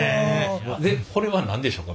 これは何でしょうか？